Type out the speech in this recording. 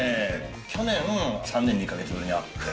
◆去年、３年２か月ぶりに会って。